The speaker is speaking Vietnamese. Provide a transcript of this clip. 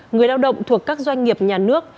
người lao động thuộc các doanh nghiệp nhà nước